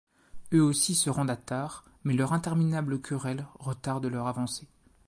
Eux aussi se rendent à Tar, mais leurs interminables querelles retardent leur avancée.